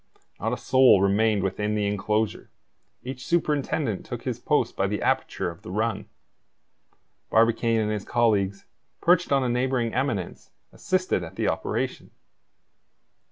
Not a soul remained within the enclosure. Each superintendent took his post by the aperture of the run. Barbicane and his colleagues, perched on a neighboring eminence, assisted at the operation.